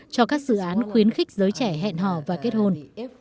cho các dự án khuyến khích giới trẻ hẹn hò và kết hôn